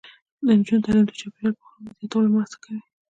د نجونو تعلیم د چاپیریال پوهاوي زیاتولو مرسته کوي.